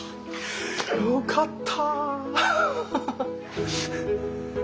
よかった。